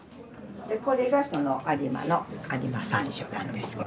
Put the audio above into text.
これがその有馬の有馬山椒なんですけど。